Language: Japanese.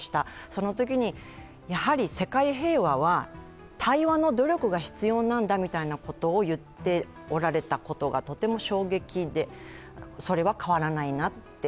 そのときにやはり世界平和は対話の努力が必要なんだと言っておられたことがとても衝撃で、それは変わらないなと。